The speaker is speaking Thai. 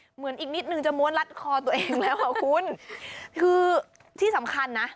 เหมือนอีกนิดนึงจะม้วนรัดคอตัวเองแล้วค่ะคุณคือที่สำคัญนะ